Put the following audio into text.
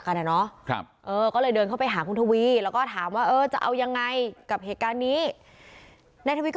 พวกเขาก็เลยเดินเข้าไปหาที่ที่รู้จักและถามว่าเอาอย่างไงกับเหตุการณ์นี้